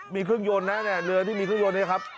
มีเครื่องยนต์นะเนี่ยเรือที่มีเครื่องยนต์เนี่ยครับ